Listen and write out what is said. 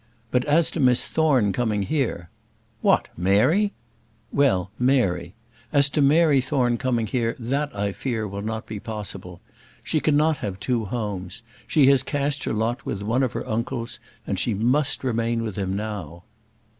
But as to Miss Thorne coming here " "What! Mary " "Well, Mary. As to Mary Thorne coming here, that I fear will not be possible. She cannot have two homes. She has cast her lot with one of her uncles, and she must remain with him now."